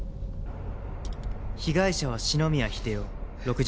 被害者は四ノ宮英夫６０歳